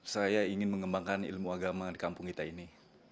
saya ingin mengembangkan ilmu agama di kampung kita ini